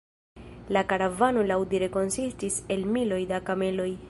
La karavano laŭdire konsistis el "miloj da kameloj".